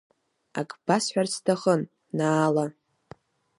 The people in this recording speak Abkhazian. Ак басҳәарц сҭахын, Наала!